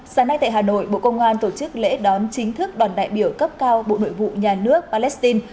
sáng nay tại hà nội bộ công an tổ chức lễ đón chính thức đoàn đại biểu cấp cao bộ nội vụ nhà nước palestine